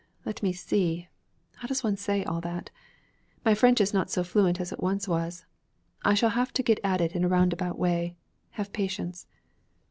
Let me see! How does one say all that? My French is not so fluent as it once was. I shall have to get at it in a roundabout way. Have patience.'